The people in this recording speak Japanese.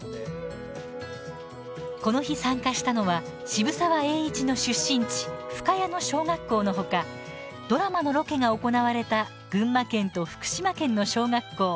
この日、参加したのは渋沢栄一の出身地深谷の小学校のほかドラマのロケが行われた群馬県と福島県の小学校。